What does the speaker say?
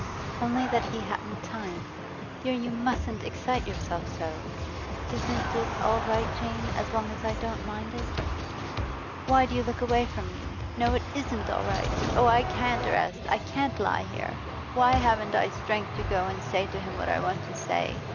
'Only that he hadn't time. Dear, you mustn't excite yourself so. Isn't it all right, Jane, as long as I don't mind it?' 'Why do you look away from me? No, it isn't all right. Oh, I can't rest, I can't lie here! Why haven't I strength to go and say to him what I want to say?